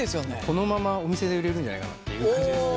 このままお店で売れるんじゃないかなっていう感じです。